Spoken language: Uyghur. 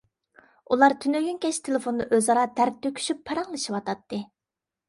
ئۇلار تۈنۈگۈن كەچ تېلېفوندا ئۆزئارا دەرد تۆكۈشۈپ پاراڭلىشىۋاتاتتى.